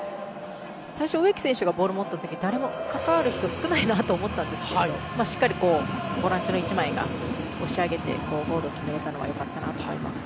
最初、植木選手がボールを持った時に誰も関わる人がいない少ないなと思ったんですがしっかりボランチの１枚が押し上げてゴールを決められたのは良かったと思います。